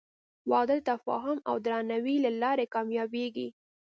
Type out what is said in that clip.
• واده د تفاهم او درناوي له لارې کامیابېږي.